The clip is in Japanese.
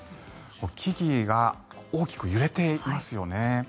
木々が大きく揺れていますよね。